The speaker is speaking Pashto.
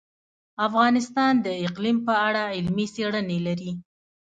افغانستان د اقلیم په اړه علمي څېړنې لري.